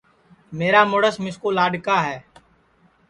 میرا مُرس مِسکُو لاڈؔکا ہے